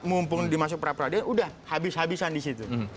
mumpung dimasuk peradilan udah habis habisan di situ